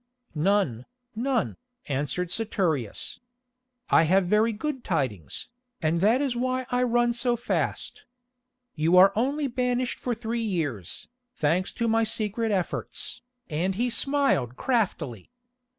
"None, none," answered Saturius. "I have very good tidings, and that is why I run so fast. You are only banished for three years, thanks to my secret efforts," and he smiled craftily.